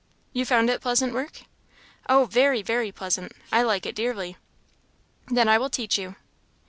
"You found it pleasant work?" "Oh, very, very pleasant. I like it dearly." "Then I will teach you.